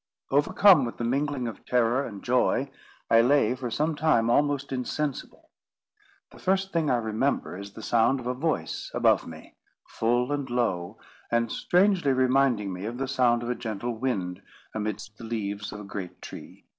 Overcome with the mingling of terror and joy, I lay for some time almost insensible. The first thing I remember is the sound of a voice above me, full and low, and strangely reminding me of the sound of a gentle wind amidst the leaves of a great tree.